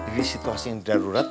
ini situasi yang darurat